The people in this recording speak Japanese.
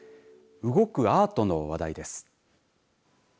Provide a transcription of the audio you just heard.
動くアートの話題です。